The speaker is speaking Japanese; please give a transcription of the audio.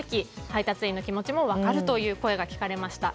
配達員の気持ちも分かるという声も聞かれました。